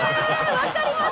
わかります。